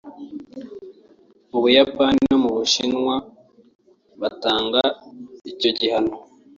mu Buyapani no mu Bushinwa batanga icyo gihano